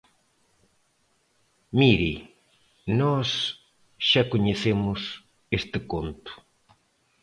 Mire, nós xa coñecemos este conto.